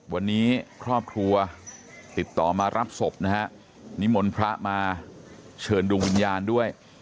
วันนี้ครอบครัวติดต่อมารับศพนะฮะนิมนต์พระมาเชิญดวงวิญญาณด้วย